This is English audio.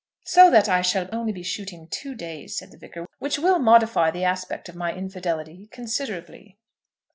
"So that I shall only be shooting two days," said the Vicar, "which will modify the aspect of my infidelity considerably."